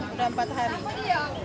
udah empat hari